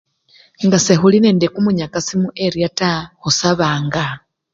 Nga sekhuli nende kumunyakasi mu eriya taa, khusabanga.